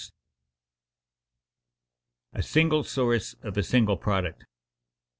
[Sidenote: A single source of a single product] 3.